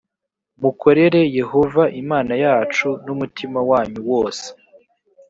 mukorere yehova imana yacu n umutima wanyu wose